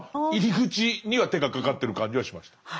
入り口には手がかかってる感じはしました。